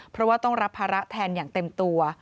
เพราะว่าต้องรับภาระแทนอย่างเต็มตัว